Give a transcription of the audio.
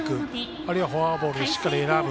あるいはフォアボールしっかり選ぶ。